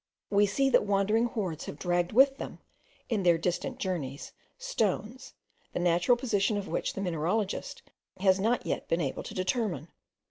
We see that wandering hordes have dragged with them, in their distant journeys, stones, the natural position of which the mineralogist has not yet been able to determine.